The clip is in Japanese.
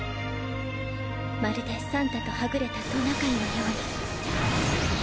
まるでサンタとはぐれたトナカイのように。